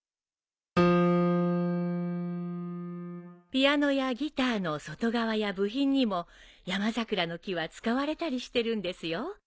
ピアノやギターの外側や部品にも山桜の木は使われたりしてるんですよ。